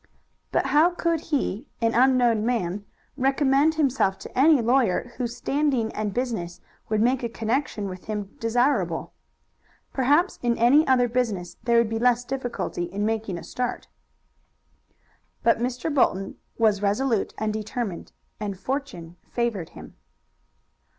But how could he, an unknown man, recommend himself to any lawyer whose standing and business would make a connection with him desirable? Perhaps in any other business there would be less difficulty in making a start. But Mr. Bolton was resolute and determined, and fortune favored him.